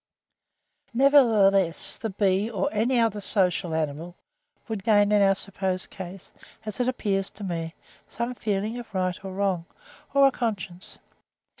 Nevertheless, the bee, or any other social animal, would gain in our supposed case, as it appears to me, some feeling of right or wrong, or a conscience.